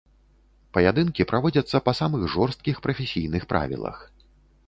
Паядынкі праводзяцца па самых жорсткіх прафесійных правілах.